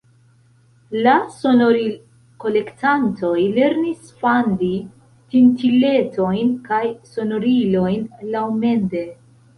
La sonoril-kolektantoj lernis fandi tintiletojn kaj sonorilojn laŭmende.